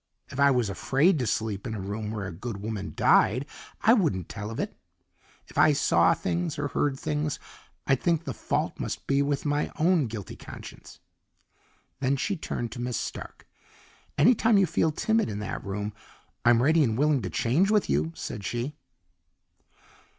If I was afraid to sleep in a room where a good woman died, I wouldn't tell of it. If I saw things or heard things I'd think the fault must be with my own guilty conscience." Then she turned to Miss Stark. "Any time you feel timid in that room I'm ready and willing to change with you," said she.